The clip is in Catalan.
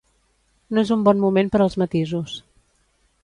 No és un bon moment per als matisos.